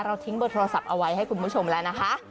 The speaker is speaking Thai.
ทิ้งเบอร์โทรศัพท์เอาไว้ให้คุณผู้ชมแล้วนะคะ